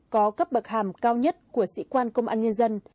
có cấp bậc hàm cao nhất của sĩ quan công an nhân dân